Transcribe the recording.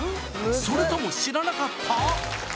それとも知らなかった？